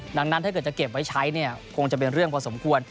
ดังนั้นถ้าเกิดจะเก็บไว้ใช้เนี่ยคงจะเป็นเรื่องพอสมควร